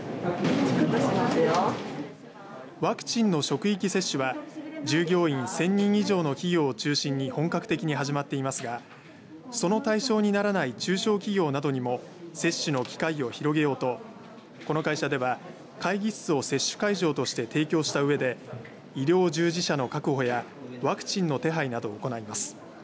ワクチンの職域接種は従業員１０００人以上の企業を中心に本格的に始まっていますがその対象にならない中小企業などにも接種の機会を広げようとこの会社では会議室を接種会場として提供したうえで医療従事者の確保やワクチンの手配などを行います。